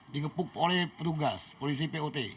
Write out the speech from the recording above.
dikepuk oleh petugas polisi put